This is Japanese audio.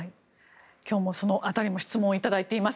今日もその辺りの質問を頂いています。